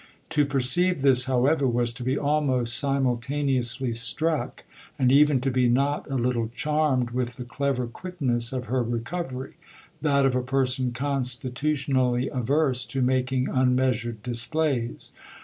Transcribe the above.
To perceive this, however, was to be almost simultaneously struck, and even to be not a little charmed, with the clever quickness of her recovery that of a person constitutionally averse to making unmeasured displays.